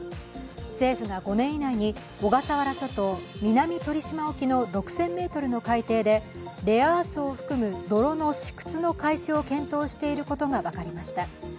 政府が５年以内に小笠原諸島・南鳥島沖の６０００ｍの改訂で、レアアースを含む泥の試掘の開始を検討していることが分かりました。